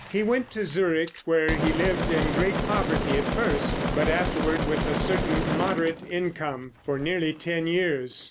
He went to Zurich, where he lived in great poverty at first, but afterward with a certain moderate income, for nearly ten years.